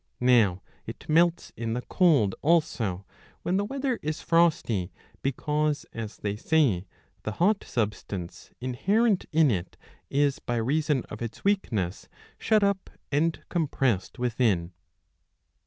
Now it melts in the cold l also, when the weather is frosty, 10 because, as they say, the hot substance inherent in it is by reason of its weakness shut up and compressed within.